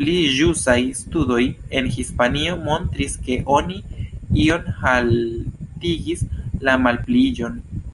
Pli ĵusaj studoj en Hispanio montris, ke oni iom haltigis la malpliiĝon.